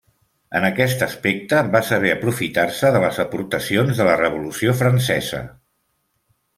En aquest aspecte va saber aprofitar-se de les aportacions de la Revolució Francesa.